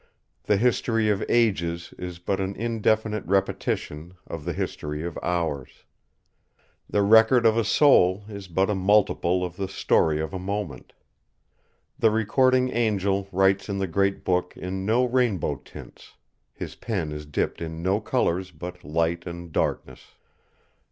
The history of ages is but an indefinite repetition of the history of hours. The record of a soul is but a multiple of the story of a moment. The Recording Angel writes in the Great Book in no rainbow tints; his pen is dipped in no colours but light and darkness.